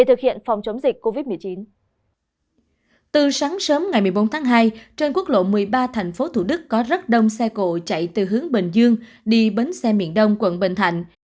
từ sáng sớm ngày một mươi bốn tháng hai trên quốc lộ một mươi ba tp thủ đức có rất đông xe cộ chạy từ hướng bình dương đi bến xe miền đông quận bình thạnh